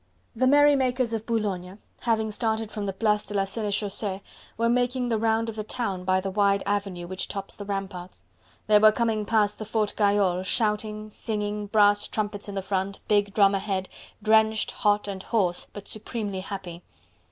The merrymakers of Boulogne, having started from the Place de la Senechaussee, were making the round of the town by the wide avenue which tops the ramparts. They were coming past the Fort Gayole, shouting, singing, brass trumpets in front, big drum ahead, drenched, hot, and hoarse, but supremely happy.